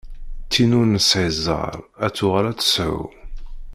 Tin ur nesɛi zzher ad tuɣal ad tesɛu.